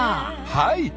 はい！